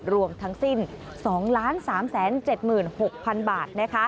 รวมทั้งสิ้น๒๓๗๖๐๐๐บาท